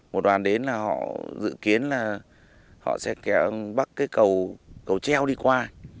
một đoàn đến là họ dự kiến là họ sẽ bắt cái cầu treo đi qua